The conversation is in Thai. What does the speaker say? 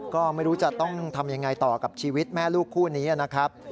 ก็ไม่รู้จะต้องทำยังไงต่อกับชีวิตแม่ลูกคู่นี้นะครับ